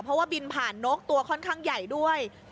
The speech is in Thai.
เพราะว่าบินผ่านนกตัวค่อนข้างใหญ่ด้วย